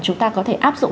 chúng ta có thể áp dụng